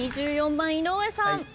２４番井上さん。